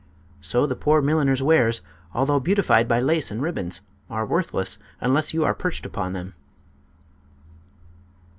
So the poor milliner's wares, although beautified by lace and ribbons, are worthless unless you are perched upon them."